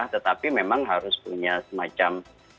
tetapi memang harus punya semacam